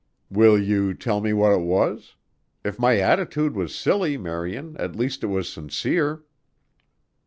"Will you tell me what it was? If my attitude was silly, Marian, at least it was sincere."